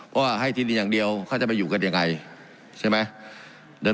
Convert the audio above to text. เพราะว่าให้ที่ดินอย่างเดียวเขาจะไปอยู่กันยังไงใช่ไหม